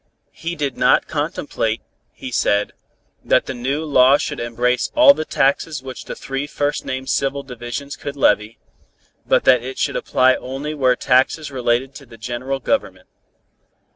He did not contemplate, he said, that the new law should embrace all the taxes which the three first named civil divisions could levy, but that it should apply only where taxes related to the general government.